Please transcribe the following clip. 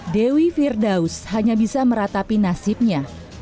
dewi firdaus hanya bisa meratapi nasibnya